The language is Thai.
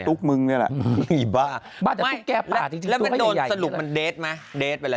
แล้วตุ๊กมึงนี่แหละ